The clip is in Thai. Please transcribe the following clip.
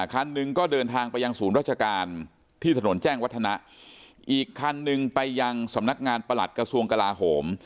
คันหนึ่งก็เดินทางไปยังศูนย์ราชการที่ถนนแจ้งวัฒนะอีกคันหนึ่งไปยังสำนักงานประหลัดกระทรวงกลาโหม